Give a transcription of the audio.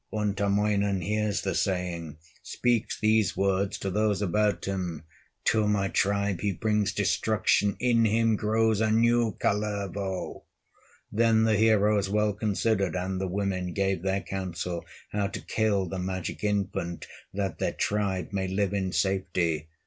Untamoinen hears the saying, Speaks these words to those about him: "To my tribe he brings destruction, In him grows a new Kalervo!" Then the heroes well considered, And the women gave their counsel, How to kill the magic infant, That their tribe may live in safety.